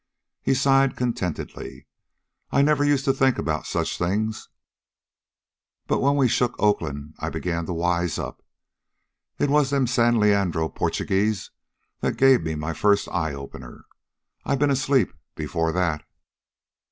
He sighed contentedly. "I never used to think about such things, but when we shook Oakland I began to wise up. It was them San Leandro Porchugeeze that gave me my first eye opener. I'd been asleep, before that."